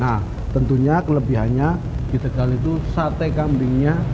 nah tentunya kelebihannya di tegal itu sate kambingnya